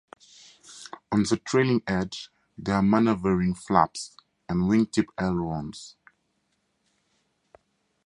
On the trailing edge, there are maneuvering flaps and wingtip ailerons.